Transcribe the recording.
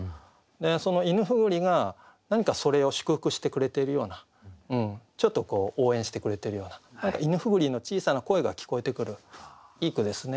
そのいぬふぐりが何かそれを祝福してくれているようなちょっと応援してくれてるような何かいぬふぐりの小さな声が聞こえてくるいい句ですね。